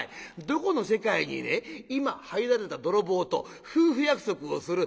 どこの世界にね今入られた泥棒と夫婦約束をする。